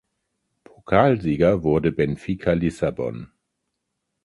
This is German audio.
Pokalsieger wurde Benfica Lissabon.